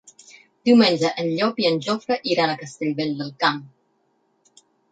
Diumenge en Llop i en Jofre iran a Castellvell del Camp.